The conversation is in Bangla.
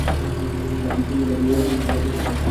বাকেট লিস্টে এখনও কিছু ব্যালেন্স বাকি আছে!